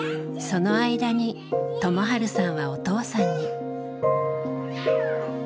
その間に友治さんはお父さんに。